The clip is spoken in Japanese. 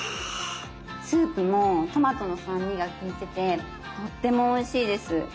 スープもトマトの酸味が利いててとってもおいしいです。